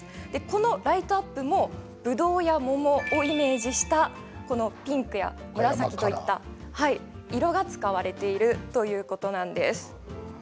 このライトアップもぶどうや桃をイメージしたピンクや紫といった色が使われているということなんです。